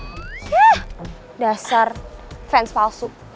ih dasar fans palsu